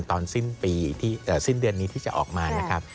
ตอนสิ้นปีสิ้นเดือนนี้ที่จะออกมานะครับ